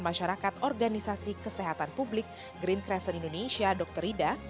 masyarakat organisasi kesehatan publik green crasson indonesia dr ida